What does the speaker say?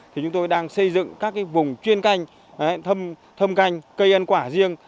thì chúng tôi đang xây dựng các vùng chuyên canh thâm canh cây ăn quả riêng